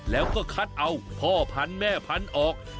แล้วก็คัดเอาพ่อพันธุ์แม่พันธุ์ออก